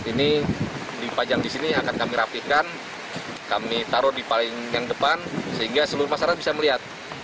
tni au dirgantara mandala